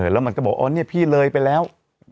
แล้วมันก็บอกอ๋อเนี่ยพี่เลยไปแล้ว